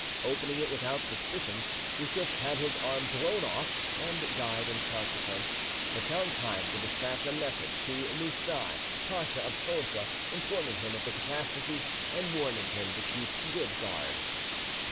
Opening it without suspicion, Yussuf had his arm blown off, and died in consequence, but found time to despatch a message to Moustai Pacha of Scodra, informing him of the catastrophe, and warning him to keep good guard.